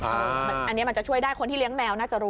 อันนี้มันจะช่วยได้คนที่เลี้ยงแมวน่าจะรู้